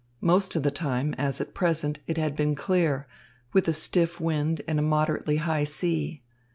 Most of the time, as at present, it had been clear, with a stiff wind and a moderately high sea.